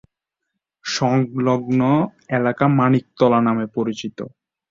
সংলগ্ন এলাকা মানিকতলা নামে পরিচিত।